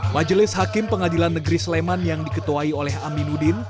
majelis hakim pengadilan negeri sleman yang diketuai oleh aminuddin